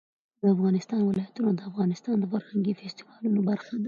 د افغانستان ولايتونه د افغانستان د فرهنګي فستیوالونو برخه ده.